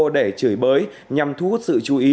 để chửi bới nhằm thu hút sự chú ý